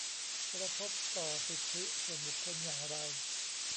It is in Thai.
กระทบต่อสิทธิส่วนบุคคลอย่างไร